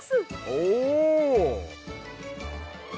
おお！